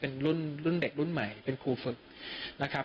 เป็นรุ่นเด็กรุ่นใหม่เป็นครูฝึกนะครับ